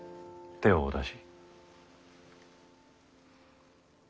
手をお出し。